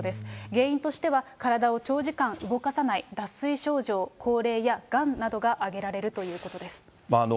原因としては、体を長時間動かさない、脱水症状、高齢やがんなどが挙げられるということです。